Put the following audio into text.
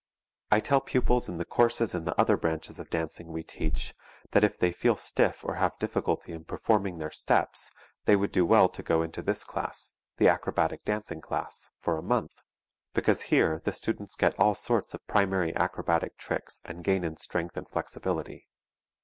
I tell pupils in the courses in the other branches of dancing we teach, that if they feel stiff or have difficulty in performing their steps, they would do well to go into this class, the acrobatic dancing class, for a month, because here the students get all sorts of primary acrobatic tricks and gain in strength and flexibility.